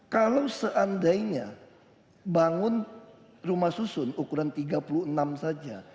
kalau seandainya bangun rumah susun ukuran tiga puluh enam saja